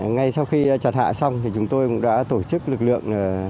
ngay sau khi trật hạ xong chúng tôi đã tổ chức lực lượng